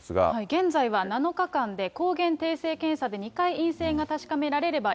現在は７日間で抗原定性検査で２回陰性が確かめられれば、